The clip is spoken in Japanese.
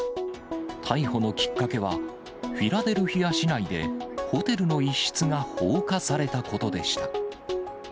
逮捕のきっかけは、フィラデルフィア市内でホテルの一室が放火されたことでした。